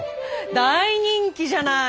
大人気じゃない。